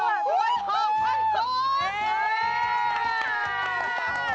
เราร่วมไว้